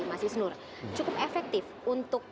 mas isnur cukup efektif untuk